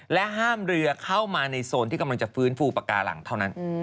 ห้ามเรือเข้ามาในโซนที่กำลังจะฟื้นฟูปากกาหลังเท่านั้น